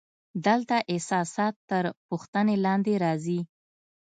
دلته اساسات تر پوښتنې لاندې راځي.